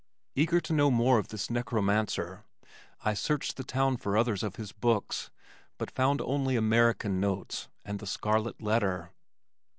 Eager to know more of this necromancer I searched the town for others of his books, but found only American Notes and the Scarlet Letter.